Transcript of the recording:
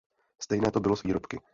Stejné to bylo s výrobky.